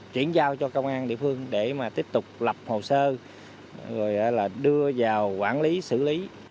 chuyển giao cho công an địa phương để mà tiếp tục lập hồ sơ rồi là đưa vào quản lý xử lý